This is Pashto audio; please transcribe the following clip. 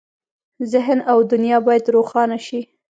ذهن او دنیا باید روښانه شي.